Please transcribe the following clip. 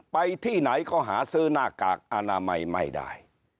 ไปที่ไหนก็หาซื้อหน้ากากอนามัยไม่ได้